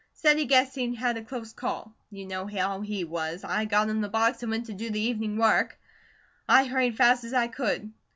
Said he guessed he'd had a close call. You know how he was. I got him the box and went to do the evening work. I hurried fast as I could.